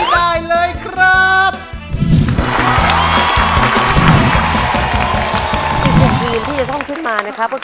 ได้เลยใช้ได้เลยครับ